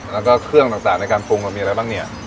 แล้วก็เครื่องต่างในการปรุงเรามีอะไรบ้างเนี่ย